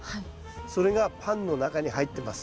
それがパンの中に入ってます。